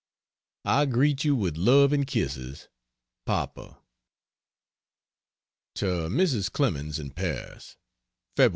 I greet you with love and kisses. PAPA. To Mrs. Clemens, in Paris: Feb.